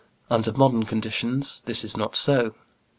Under modern conditions this is not so.